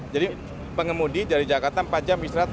jadi pengemudi dari jakarta empat jam istirahat